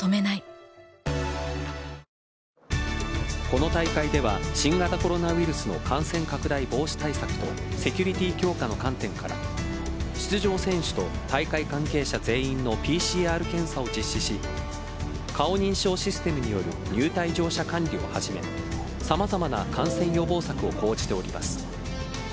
この大会では新型コロナウイルスの感染拡大防止対策とセキュリティー強化の観点から出場選手と大会関係者全員のＰＣＲ検査を実施し顔認証システムによる入退場者管理をはじめ様々な感染予防策を講じております。